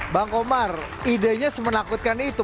bang komar idenya semenakutkan itu